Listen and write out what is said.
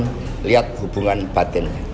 mukaan lihat hubungan batin